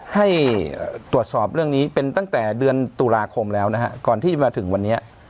ให้ตรวจสอบเรื่องนี้เป็นตั้งแต่เดือนตุลาคมแล้วนะฮะก่อนที่จะมาถึงวันนี้